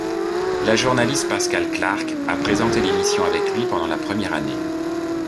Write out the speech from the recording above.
La journaliste Pascale Clark a présenté l'émission avec lui pendant la première année.